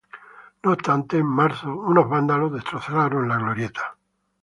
No obstante, en marzo unos vándalos destrozaron la glorieta.